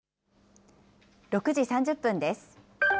６時３０分です。